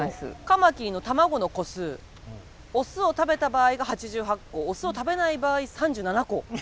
カマキリの卵の個数オスを食べた場合が８８個オスを食べない場合３７個。